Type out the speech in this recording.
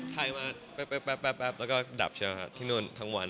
ไทยมาแป๊บแล้วก็ดับที่นั่นทั้งวัน